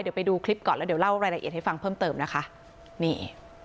เดี๋ยวไปดูคลิปก่อนแล้วเดี๋ยวเล่ารายละเอียดให้ฟังเพิ่มเติมนะคะนี่